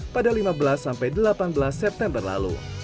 pada lima belas sampai delapan belas september lalu